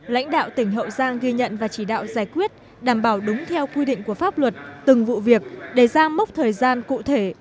lãnh đạo tỉnh hậu giang ghi nhận và chỉ đạo giải quyết đảm bảo đúng theo quy định của pháp luật từng vụ việc đề ra mốc thời gian cụ thể